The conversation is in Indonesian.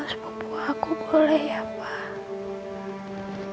sama sepupu aku boleh ya pak